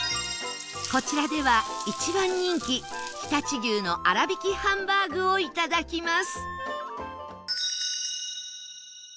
こちらでは一番人気常陸牛の粗挽きハンバーグをいただきます